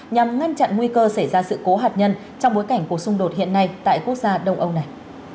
nhằm ngăn chặn nguy cơ xảy ra sự cố hạt nhân trong bối cảnh cuộc xung đột hiện nay tại quốc gia đông âu này